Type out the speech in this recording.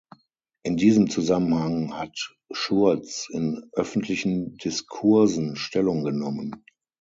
In diesem Zusammenhang hat Schurz in öffentlichen Diskursen Stellung genommen.